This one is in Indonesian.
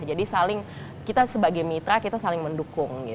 jadi kita sebagai mitra kita saling mendukung gitu ya